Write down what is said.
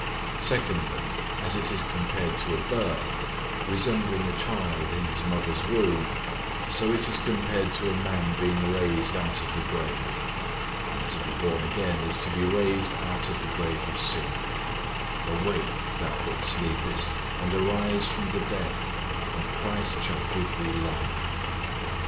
Secondly, As it is compared to a birth, resembling a child in his mother's womb, so it is compared to a man being raised out of the grave; and to be born again is to be raised out of the grave of sin—"Awake, thou that sleepest, and arise from the dead, and Christ shall give thee life."